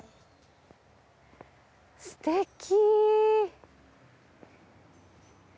すてき。